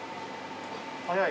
早い。